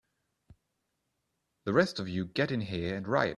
The rest of you get in here and riot!